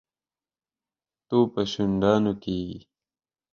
تو په شونډانو کېږي.